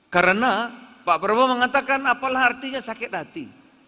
karena pak prabowo mengatakan apalah artinya sakit hati